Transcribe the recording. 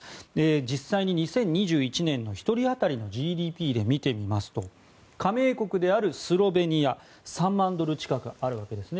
実際に２０２１年の１人当たりのＧＤＰで見てみますと加盟国であるスロベニア３万ドル近くあるわけですね。